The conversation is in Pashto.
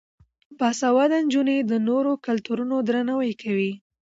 باسواده نجونې د نورو کلتورونو درناوی کوي.